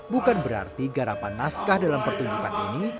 bukan berarti garapan naskah dalam pertunjukan ini